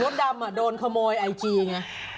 ฟร็อมดำโดนโคนโมยไอจีแง